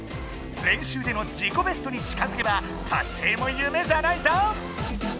練習での自己ベストに近づけば達成も夢じゃないぞ！